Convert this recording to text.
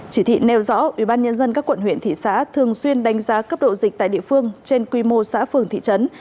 chỉ thị nêu rõ ubnd các quận huyện thị xã thường xuyên đánh giá cấp độ dịch tại địa phương trên quy mô xã phường thị trấn